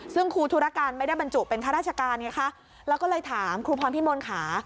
ซึ่งครูธุรการไม่ได้บรรจุเป็นข้าราชการไงคะแล้วก็เลยถามครูพรพิมลค่ะ